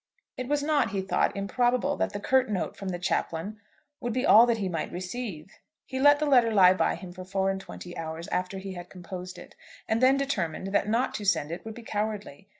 It was not, he thought, improbable, that the curt note from the chaplain would be all that he might receive. He let the letter lie by him for four and twenty hours after he had composed it, and then determined that not to send it would be cowardly.